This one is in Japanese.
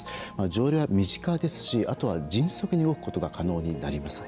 条例は身近ですしあとは、迅速に動くことが可能になります。